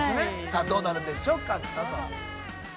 さあ、どうなるんでしょうか、どうぞ。